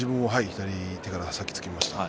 左手から先につきました。